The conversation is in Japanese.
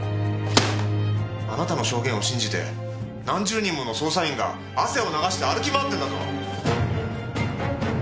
あなたの証言を信じて何十人もの捜査員が汗を流して歩き回ってんだぞ！